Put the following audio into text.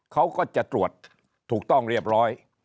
เขาก็จะตรวจถูกต้องเรียบร้อย